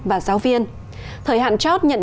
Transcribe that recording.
và giáo viên thời hạn chót nhận